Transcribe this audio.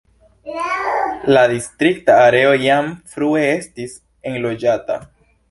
La distrikta areo jam frue estis enloĝata.